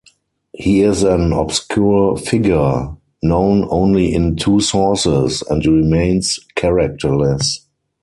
He is an obscure figure, known only in two sources, and remains characterless.